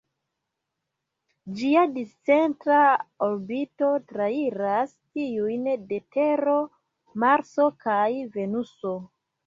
Ĝia discentra orbito trairas tiujn de Tero, Marso kaj Venuso.